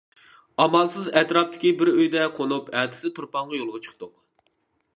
ئامالسىز ئەتراپتىكى بىر ئۆيدە قونۇپ ئەتىسى تۇرپانغا يولغا چىقتۇق.